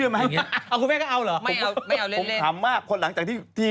เอาคุณแม่งก็เอาเหรอ